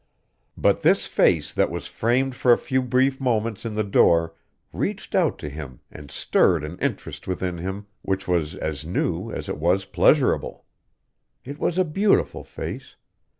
But this face that was framed for a few brief moments in the door reached out to him and stirred an interest within him which was as new as it was pleasurable. It was a beautiful face.